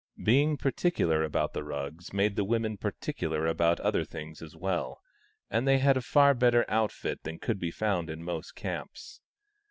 Being particular about the rugs made the women par ticular about other things as well, and they had a far better outfit than could be found in most camps.